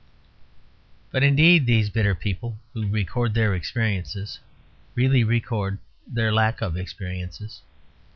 But indeed these bitter people who record their experiences really record their lack of experiences.